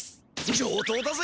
上等だぜ！